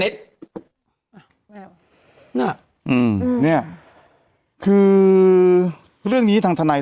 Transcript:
แต่หนูจะเอากับน้องเขามาแต่ว่า